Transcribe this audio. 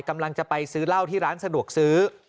กำลังจะไปซื้อเหล้าที่ร้านสะดวกซื้อ